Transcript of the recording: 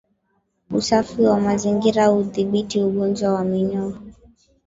Usafi wa mazingira hudhibiti ugonjwa wa minyoo